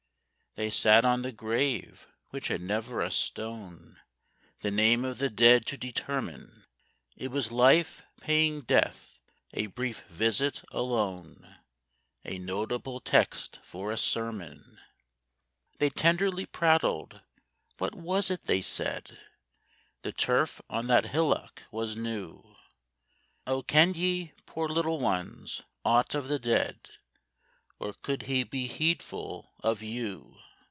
They sat on the grave which had never a stone The name of the dead to determine, It was Life paying Death a brief visit—alone A notable text for a sermon. They tenderly prattled,—what was it they said? The turf on that hillock was new: O! kenn'd ye, poor little ones, aught of the dead, Or could he be heedful of you?